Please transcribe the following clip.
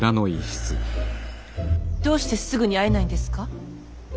どうしてすぐに会えないんですか。